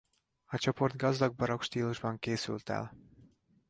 A csoport gazdag barokk stílusban készült el.